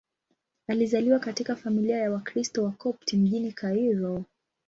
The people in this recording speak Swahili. Alizaliwa katika familia ya Wakristo Wakopti mjini Kairo.